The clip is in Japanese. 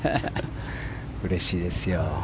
うれしいですよ。